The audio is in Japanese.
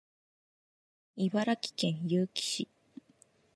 茨城県結城市